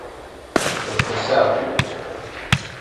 Ad ken-saɛfen?